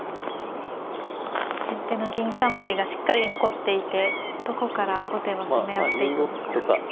先手の銀冠がしっかり残っていてどこから後手は攻め合っていくのか。